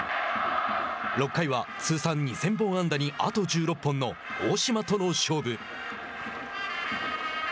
６回は通算２０００本安打にあと１６本の大島との勝負。